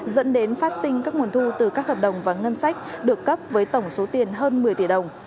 dẫn đến phát sinh các nguồn thu từ các hợp đồng và ngân sách được cấp với tổng số tiền hơn một mươi tỷ đồng